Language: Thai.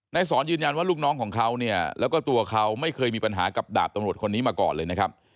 สอนยืนยันว่าลูกน้องของเขาเนี่ยแล้วก็ตัวเขาไม่เคยมีปัญหากับดาบตำรวจคนนี้มาก่อนเลยนะครับ